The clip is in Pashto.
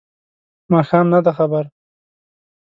ماښام نه دی خبر